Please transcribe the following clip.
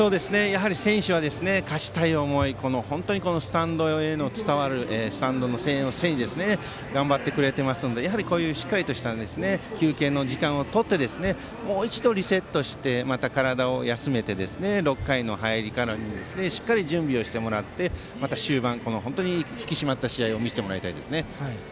選手は勝ちたい思いスタンドへ伝わるスタンドの応援を背に頑張ってくださっているのでしっかりとした休憩の時間をとりもう一度リセットしてまた体を休めて６回の入りからしっかり準備をしてもらってまた終盤、引き締まった試合を見せてもらいたいですね。